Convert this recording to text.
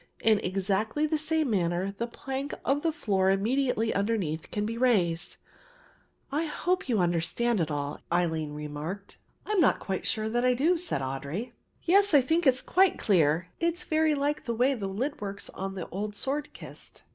In exactly the same manner the plank of the floor immediately underneath can be raised.' "I hope you understand it all," Aline remarked. "I am not quite sure that I do," said Audry. "Yes, I think it is quite clear; it's very like the way the lid works on the old sword kist."